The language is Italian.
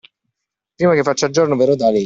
Prima che faccia giorno, verrò da lei.